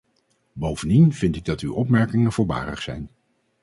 Bovendien vind ik dat uw opmerkingen voorbarig zijn.